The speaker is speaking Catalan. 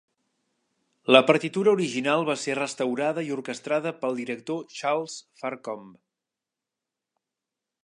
La partitura original va ser restaurada i orquestrada pel director Charles Farncombe.